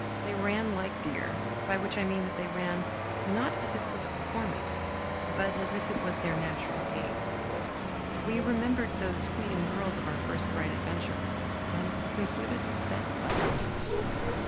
They ran like deer, by which I mean that they ran not as if it was a performance, but as if it was their natural gait. We remembered those fleeting girls of our first bright adventure, and concluded that it was.